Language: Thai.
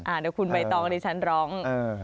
เดี๋ยวคุณใบตองดิฉันร้อง